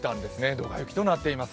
ドカ雪となっています。